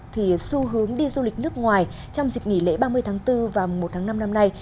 thì xu hướng đi du lịch nước ngoài trong dịp nghỉ lễ ba mươi tháng bốn và một tháng năm năm nay